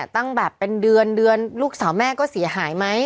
ตั้งแบบเป็นเดือนเดือนลูกสาวแม่ก็เสียหายไหม